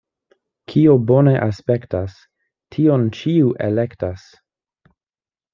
Kio bone aspektas, tion ĉiu elektas.